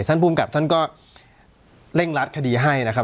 ภูมิกับท่านก็เร่งรัดคดีให้นะครับ